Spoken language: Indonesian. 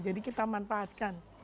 jadi kita manfaatkan